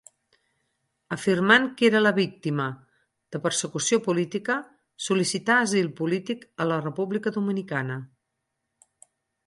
Afirmant que era la víctima de persecució política, sol·licità asil polític a la República Dominicana.